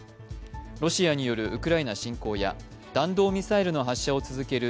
ロシアによるウクライナ侵攻や弾道ミサイルの発射を続ける